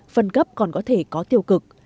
phân cấp còn có thể có tiêu cực